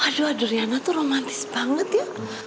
aduh adu riana tuh romantis banget ya